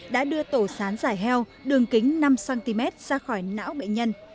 đã đưa tổ sán giải heo đường kính năm cm ra khỏi não bệnh nhân